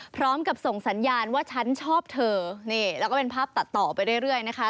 พร้อมกับส่งสัญญาณว่าฉันชอบเธอนี่แล้วก็เป็นภาพตัดต่อไปเรื่อยนะคะ